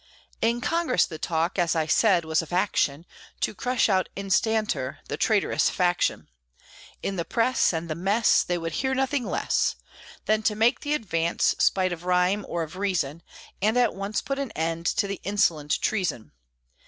In Congress the talk, as I said, was of action, To crush out instanter the traitorous faction. In the press, and the mess, They would hear nothing less Than to make the advance, spite of rhyme or of reason, And at once put an end to the insolent treason.